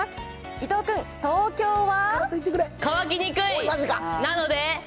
伊藤君、東京は？